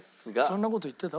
そんな事言ってた？